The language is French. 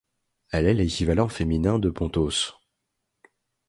Elle est l'équivalent féminin de Pontos.